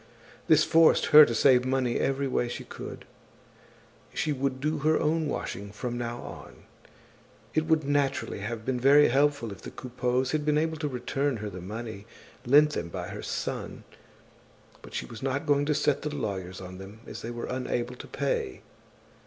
This forced her to save money every way she could. She would do her own washing from now on. It would naturally have been very helpful if the Coupeaus had been able to return her the money lent them by her son; but she was not going to set the lawyers on them, as they were unable to pay.